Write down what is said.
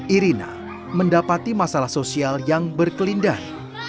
irina mendapati masalah sosial yang berkelindah